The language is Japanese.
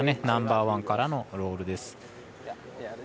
ナンバーワンからのロールです。